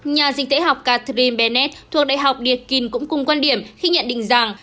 nhà dịch tễ học catherine bennett thuộc đại học điệt kinh cũng cùng quan điểm khi nhận định rằng